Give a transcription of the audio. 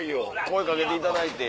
声掛けていただいて。